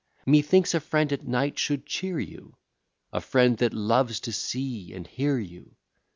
Methinks a friend at night should cheer you, A friend that loves to see and hear you.